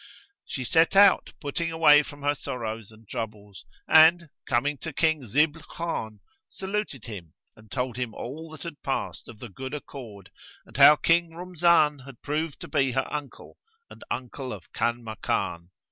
She set out, putting away from her sorrows and troubles and, coming to King Zibl Khan,[FN#112] saluted him and told him all that had passed of the good accord, and how King Rumzan had proved to be her uncle and uncle of Kanmakan.